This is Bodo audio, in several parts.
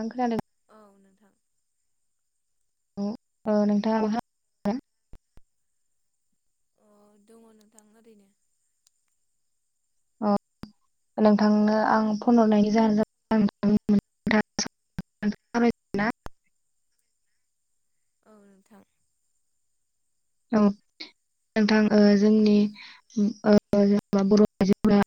आं खोनादों औ नोंथां। ओ ओ नोंथाङा अ दङ नोंथां ओरैनो। अ नोंथांनो आं फन हरनायनि जाहोन जाबाय आं नोंथांनो ना औ नोंथां। औ नोंथां जोंनि जेन'बा बर' आइजोफोरा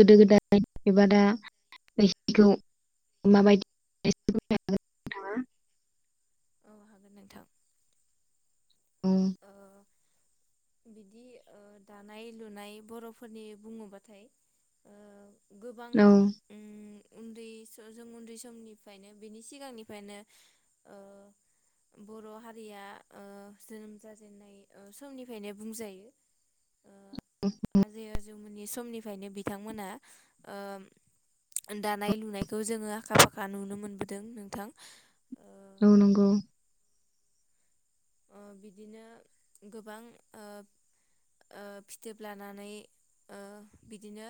गोदो गोदाय एबा दाखौ माबायदिागोन नोंथाङा औ हागोन नोंथां। उ। ओ बिदि ओ दानाय लुनाय बर'फोरनि बुङोबाथाय ओ गोबां औ उम उन्दै जों उन्दै समनिफ्रायनो बेनि सिगांनिफ्रायनो ओ बर' हारिया जोनोम जाजेननाय ओ समनिफ्रायनो बुंजायो। ओ आजै आजौमोननि समनिफ्रायनो बि- थांमोना ओ दानाय लुनायखौ जोङो आखा फाखा नुनो मोनबोदों नोंथां। ओ औ नंगौ। ओ बिदिनो गोबां ओ ओ फिथोब लानानै ओ बिदिनो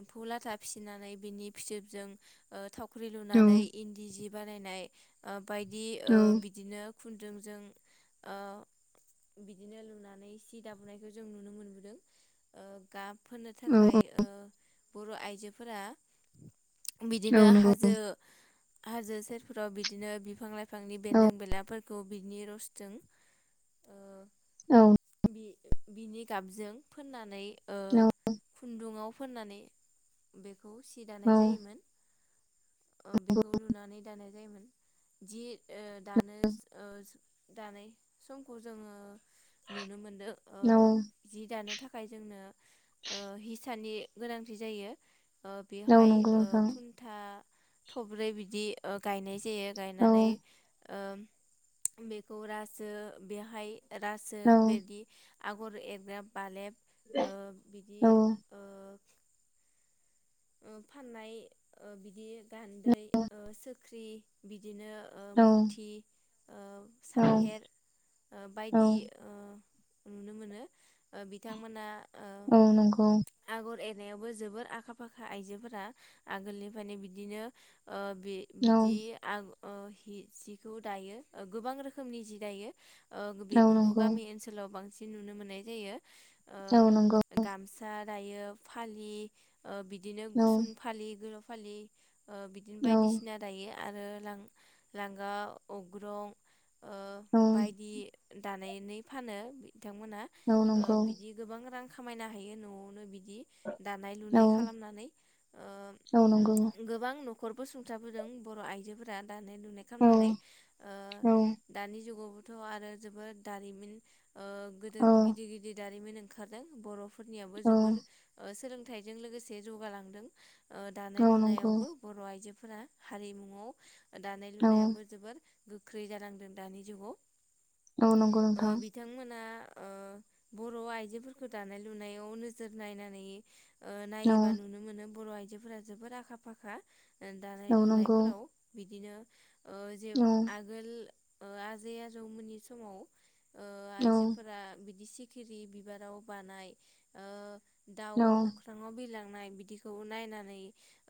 एम्फौ लाथा फिसिनानै बिनि फिथोबजों ओ थाव ख्रि औ लुनानै इन्दि जि बानायनाय ओ बायदि ओ औ बिदिनो खुन्दुंजों ओ बिदिनो लुनानै सि दाबोनायखौ जों नुनो मोनबोदों। ओ गाब [unintelligible] औ थाखाय ओ बर' आइजोफोरा औ बिदिनो नंगौ हाजो हाजो सेरफोराव बिदिनो बिफां लाइ फांनि औ बेन्दों बेलाफोरखौ बिनि रस ओ औ। बि बिनि गाबजों फोननानै ओ औ खुन्दुंआव फोननानै [unintelligible] खौ सि दानाय औ जायोमोन ओ बेखौ नुनानै दानाय जायोमोन। जि ओ दानो ओ दानाय समखौ जोङो नुनो मो ओ जि दानो था- खाय जोंनो ओ हिसानि गोनांथि जायो। ओ औ बेहाय नंगौ ओ नोंथां खुन्था थब्रै बिदि ओ गायनाय जायो। औ गायनानै ओम बेखौ रासो बेहाय रासो बिदि आगर एरग्रा बालेब, ओ बिदि औ ओ ओ फाननाय ओ बिदि गान्दै सोख्रि बिद दिनो ओ औ मुथि ओ औ सामफेर ओ औ बायदि ओ नुनो मोनो ओ बिथांमोना ओ औ नंगौ। आगर एरनायावबो जोबोर आखा फा फाखा आइजोफोरा आगोलनिफ्रायनो बिदिनो ओ बे औ बिदि आग ओ सि जिखौ दायो गोबां रोखोमनि जि दायो। ओ औ बेफोरखौ नंगौ गामि ओनसोलाव बां सिन नुनो मोननाय जायो। औ नंगौ ओ गामसा दायो फालि ओ बिदिनो औ गुसुं फालि गोला फालि ओ बिदिनो औ बायदिसिना दायो। आरो लां लांगा अग्रं ओ औ बायदि दानाय एनै फानो। बिथांमोना औ ओ नंगौ बिदि गोबां रां खामायनो हायो न'आवनो बिद दि दानाय औ लुनाय खालामनानै ओ औ नंगौ गोबां नख खरबो सुंथाबोदों बर' आइजोफोरा दानाय लुनाय औ खालामनानै ओ औ दानि जुगाव थ' आरो जोबोद दारिमिन ओ गोदो औ गिदिर गिदिर दारिमिन ओंखारदों बर'फो फोरनियाबो जोबोर औ ओ सोलों थाइजों लोगोसे [unintelligible] जौगालांदों। ओ दानाय औ नंगौ लुनायावबो बर' आइजो फोरा हारिमुआव दानाय औ लुनायाबो जोबोर गोख्रै जानांदों दानि जुगाव औ नंगौ ओ नोंथां बिथांमोना बर' आइजोफोरखौ दानाय लुनायाव नोजोर नायनानै औ नायोब बा नुनो मोनो बर' आय आयजोफोरा जोबोद आखा- फाखा दानाय औ नंगौ लुनायफोराव बि बिदिनो ओ जे औ आगोल ओ आजै आजौमोननि समाव ओ औ आइजोफोरा बिदि सि खिरि बिबाराव बानाय ओ दाउ अख्राआव बिरलांना थानाय बिदिखौ नायनानै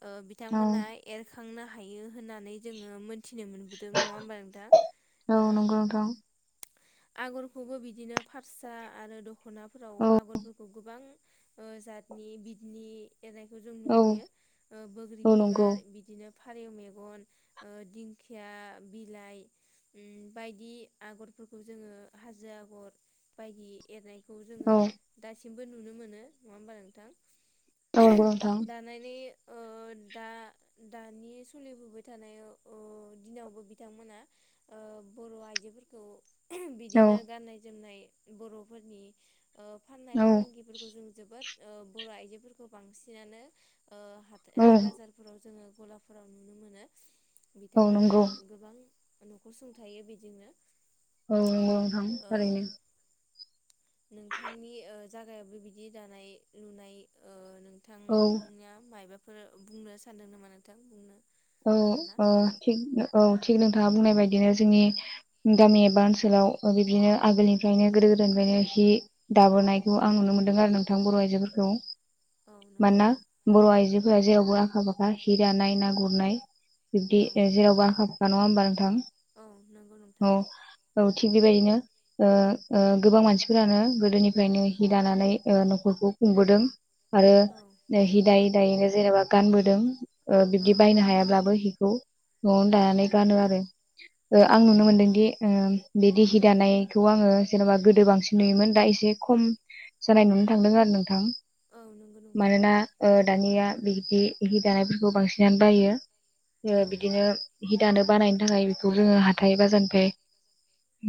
ओ औ बिथांमोना ए खांनो हायो होननानै जोङो मो मिथिनो मोनबोदों नङा होमबा नोंथां औ ओ नंगौ नोंथां आगरखौबो बिदिनो फारसा आरो दख दख'नाफोराव औ आगरफोरखौ गोबां जातनि बिदनि एरनायखौ जों औ नुबोयो बोग्रि औ नंगौ बिबार बिदिनो फारौ मेगन ओ दिंखिया बिलाइ बायदि आगरफोरखौ जोङो हाजो आगर बायदि एरनायखौ औ जोङो दा सिमबो नुनो मोनो नङा होमबा नोंथां औ नोंगौ नोंथां दानानै ओ दा दानि सोलिबोबाय थानाय दिनावबो बिथांमोना ओ बर' आइजोफोरखौ बिदिनो गाननाय जोमनाय बर'फोरनि फाननाय फालांगिफोरखौ जों जोबोद ओ बर' आइजोफोर खौ बांसिनानो ओ औ नंगौ हाथाय बाजारफोराव जोङो गलाफोराव नुनो मोनो औ बिथांमोना नंगौ गोबां न'खर सुंथायो बिदिनो औ नंगौ नोंथां ओरैनो नोंथांनि जागायावबो बिदि दानाय लुनाय औ बिथांनिया माइबा फोर बुंनो सानदों नामा नोंथां बुंनो औ हागोन ना? अ थिग औ थिग नोंथाङा बुंनाय बायदिनो जोंनि गामि एबा ओनसोलाव बिब्दिनो आगोलनिफ्रायनो गोदो गोदायनिफ्रायनो हि दाबोनायखौ आं नुनो मोनदों आरो नोंथां बर' आइजोफोरखौ औ नंगौ मानोना बर' आइजो जेरावबो आखा फाखा हि दानाय ना गुर गुरनाय बिबदि औ ओ जेराबो आखा फा नङा होमबा नोंथां औ नंगौ औ नोंथां औ थिग बेबायदिनो ओ ओ गोबां मानसिफोरानो गोदोनिफ्रायनो हि दानानै न'खरखौ खुंबोदों आरो औ हि दाय दायोनो जेनेबा गानबोदों ओ औ बिब्दिब हायाब्लाबो हिखौ न'आवनो औ दानानै गानो आरो औ आं नुनो मोनदोंदि ओ बेदि हि दानायखौ आङो जेन'बा गोदो बांसिन नुयोमोन दा एसे खम जानाय नुनो थांदों आरो नोंथां औ नंगौ नोंथां मानोना ओ दानिया बिदि हि दानायफोरखौ बांसिन दा बायो औ बिदिनो हि दानो बानायनि थाखाय बेखौ जोङो हाथाय बाजारनिफ्राय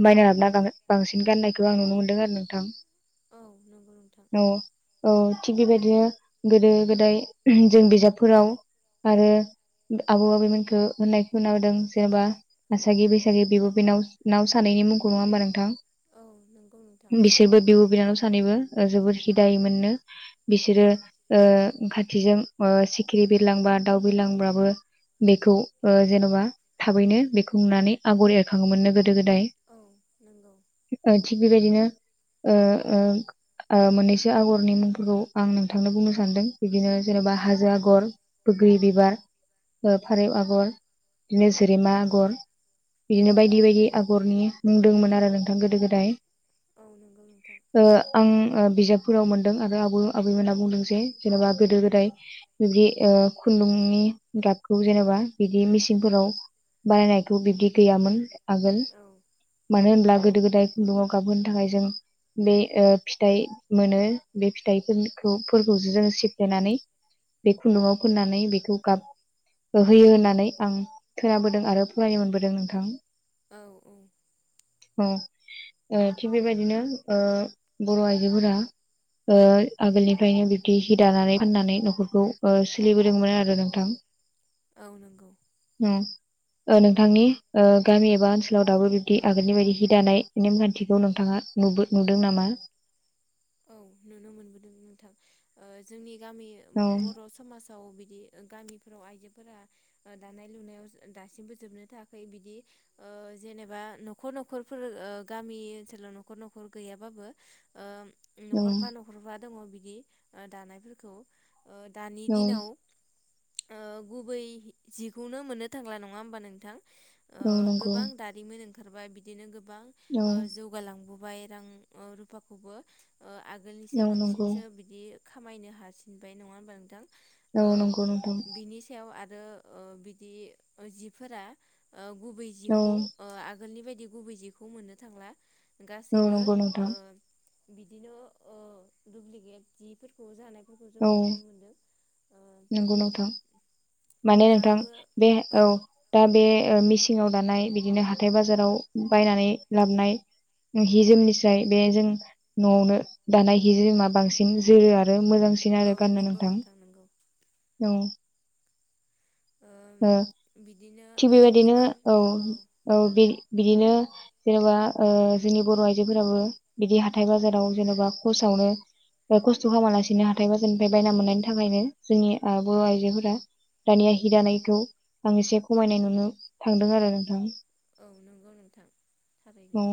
बायना लाबोना गां बांसिन गाननायखौ आं नुनो मोनदों आरो नोंथां औ नंगौ नोंथां औ औ थिग बेबायदिनो गोदो गोदाय जों बिजाबफोराव आरो आबौ आबैमोनखौ होननाय खौनादों जेन'बा आसागि बैसागि बिब' बिनाव नाव सानैनि मुंखौ नङा होमबा नोंथां औ नंगौ नोंथां बिसोरबो बिब' बिनानाव सानैबो जोबोद हि दायोमोननो बिसोरो औ ओ ओमफाय थिजों सिखिरि बिरलांबा दाउ बिरलांब्राबो बेखौ ओ जेन'बा थाबैनो बेखौ नुनानै आगर एरखाङो मोननो गो गोदो गोदाय औ नंगौ ओ थिग बेबायदिनो ओ ओ ओ मोननैसो आगरनि मुंफोरखौ आं नोंथांनो बुंनो सानदों बिदिनो जेनेबा औ हाजो आगर बग्रि बिबार फारौ आगर बिदिनो जेरेमा आगर औ बिदिनो बायदि बायदि आगरनि बुंदोंमोन आरो नोंथां गोदो गोदाय औ नंगौ नोंथां। ओ आं ओ बिजाबफोराव मोनदों आरो आबौ आबै मोना बुंदों जे जेनेबा गोदो-गोदाय बिब्दि ओ खुन्दुंनि गाबखौ जेनेबा बिदि मेचिनफोराव बानायनायखौ बिबदि गैयामोन। आगोल औ मानो होनोमब्ला गोदो-गोदाय खुन्दुङाव गाबहोनो थाखाय जों बे ओ फिथाइ मोनो बे फिथाइफोरखौ फोरखौसो जोङो सिफ्लेनानै बे खुन्दुङाव होननानै बेखौ गाब होयो होननानै आं खोनाबोदों आरो फरायनो मोनबोदों नोंथां। औ औ औ ओ थिग बेबायदिनो ओ बर' आइजोफोरा ओ आगोलनिफ्रायनो बिबदि हि दानानै फाननानै न'खरखौ ओ सोलिबोदोंमोन आरो नोंथां। औ नंगौ, औ ओ नोंथांनि ओ गामि एबा ओनसोलाव दाबो बिबदि आगोलनि बायदि हि दानाय नेमखान्थिखौ नोंथाङा नुबो, नुदों नामा? औ नुनो मोनबोदों नोंथां। ओ जोंनि गामि औ बर' समाज अ बिदि गामिफोराव आइजोफोरा दानाय लुनायाव दासिमबो जोबनो थांआखै बिदि जेनेबा नखर न'खरफोर गामि ओनसोलाव न'खर न'खर गैयाबाबो ओ न'खरफा न'खरफा दङ बिदि दानायफोरखौ दानि औ दिनाव, ओ गुबै जिखौनो मोननो थांला नङा होमबा नोंथां? ओ औ नंगौ गोबां दारिमिन ओखारबाय बिदिनो गो गोबां औ ओ जौगालांबो बाय रां ओ रुफाखौबो ओ आगोलनिसाय औ नंगौ बांसिनसो बिदि खामायनो हासिनबाय नङा होमबा नोंथां? ओ औ नंगौ नोंथां बिनि सायाव आरो ओ बिदि जिफोरा गुबै औ जिखौ ओ आगोलनि बायदि बिदि गुबै जिखौ मोननो थांला। औ गासैबो नंगौ नोंथां ओ [inaudible] बिदिनो ओ दुुब्लिकेट जिफोरखौ जानाय फोरखौ जों नुनो मोनदों ओ नोंगौ नोंथां, माने नोंथां दाबो बे औ दा बे मिसिं सिङाव दानाय बिदिनो हाथाय बाजाराव बायनानै लाबोन हि जोमनिफ्राय बे जों न'आवनो दानाय हि जोमा बांसिन जोरो आरो मोजांसिन औ आरो गाननो नंगौ नोंथां नंगौ औ ओ बिदिनो थिग ओ बेबायदिनो गोबां औ औ बे बिदिनो जेनेबा ओ जोंनि बर' आइजोफोराबो बिदि हाथाइ बाजाराव जेन'बा खसावनो खस्थ' खालामालासिनो हाथाय बाजारनिफ्राय बायना मोननायनि थाखायनो जोंनि ओ बर' आइजोफोरा दानिया हि दानाय खौ आं एसे खमायनाय नुनो थांदों आरो नोंथां औ नंगौ नोंथां थारैनो औ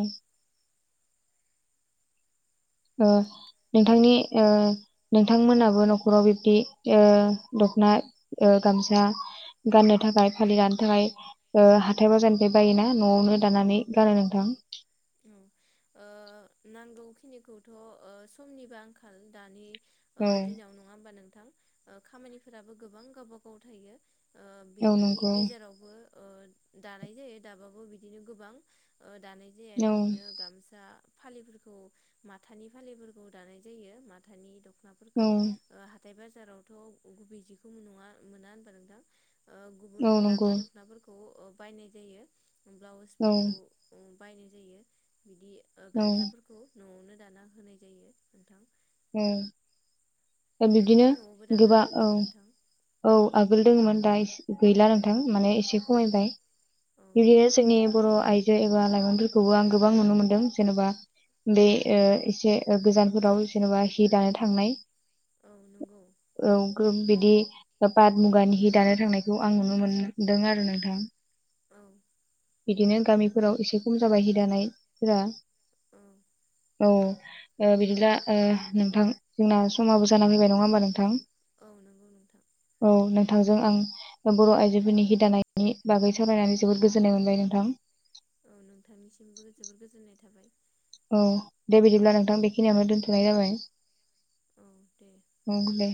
ओ नोंथांनि ओ नोंथांमोनाबो न'खराव बिब्दि ओ दखना ओ गामसा गाननो थाखाय फालि लानो थाखाय हाथाय बाजारनिफ्राय बायोना न'आवनो दानानै गानो नोंथां खिनिखौथ' ओ समनिबो आंखाल दानि ओ औ दिनाव नङा होमबा नों थां खामानिफोराबो गोबां गावबागाव थायो। ओ औ बिनि नंगौ गेजेरावबो ओ दानाय जायो दाबाबो बिदिनो गोबां ओ दानाय जाया औ बि गामसा फालिफोरखौ‌ माथानि फालिफोरखौ दानाय जायो माथानि दख औ नाफोरखौ ओ हा हाथाय बाजारावथ' गुबै जिखौ नङा मोना होनबा नोंथां ओ गुबुन औ नंगौ लांगा दखनाफोरखौ बायनाय जायो। औ ब्लाउसफोरखौ उम बायनाय जायो। बिदि ओ औ गामसाफोरखौ न'आवनो दाना होनाय जायो नोंथां औ बिब्दिनो नोंथांनि न'आवबो दाग्रा गोबा दं नामा नोंथां औ औ आगोल दोंङोमोन दा इस गैला नोंथां माने इसे औ खमायबाय औ बिदिनो जोंनि बर' आइजो बा लाइमोनफोरखौबो आं गोबां नुनो मोनदों जेनेबा बे एसे गोजानफोराव जेनेबा हि दानो थांनाय औ नंगौ औ ग्रुब बिदि पाद मुगानि हि दानो थांनायखौ आं नुनो मोनदों आरो नोंथां। औ बिदिनो गामिफोराव एसे खम जाबाय हि दानायफोरा औ औ ओ बिदिब्ला ओ नोंथां जोंना समाबो जाना फैबाय नङा होमबा नोंथां औ औ नंगौ नोंथां नों नोंथांजों आं बर' आइजोफोरनि हि दानायनि बागै सावरायनानै जोबोद गोजोननाय मोनबाय नोंथां औ नोंथांनिसिमबो जोबोर गोजोननाय थाबाय औ दे बिदिब्ला नोंथां बेखिनियावनो दोनथ'नाय जाबाय। औ दे ओं नोंथां दे